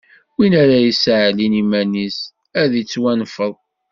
Win ara yesseɛlin iman-is, ad d-ittwanfeḍ.